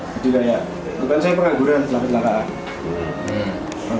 jadi kayak bukan saya pengaguran setelah kejelakaan